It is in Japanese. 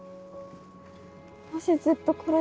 もしずっところ